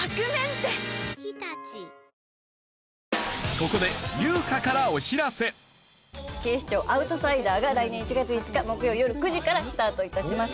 ここで『警視庁アウトサイダー』が来年１月５日木曜よる９時からスタート致します。